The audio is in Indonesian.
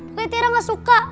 pokoknya tira gak suka